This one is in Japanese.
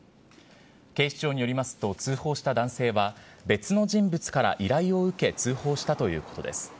警視庁によりますと、通報した男性は、別の人物から依頼を受け通報したということです。